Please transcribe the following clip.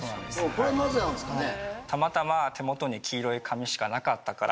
これはなぜなんですかね？